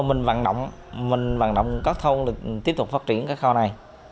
mình vận động mình vận động các thông để tiếp tục phát triển các kho này